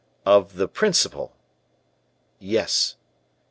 "Of the principal?" "Yes."